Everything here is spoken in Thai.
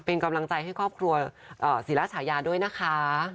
เป็นกำลังใจให้ครอบครัวศิราชายาด้วยนะคะ